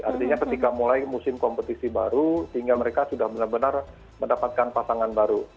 artinya ketika mulai musim kompetisi baru sehingga mereka sudah benar benar mendapatkan pasangan baru